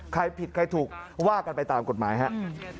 ใครผิดใครถูกว่ากันไปตามกฎหมายครับ